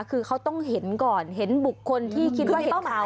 คือเขาต้องเห็นก่อนเห็นบุคคลที่คิดว่า